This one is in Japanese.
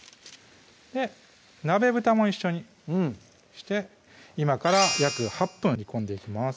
鍋ぶたも一緒にして今から約８分煮込んでいきます